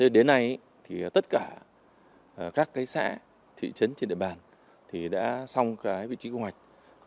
đến nay tất cả các xã thị trấn trên địa bàn đã xong vị trí kế hoạch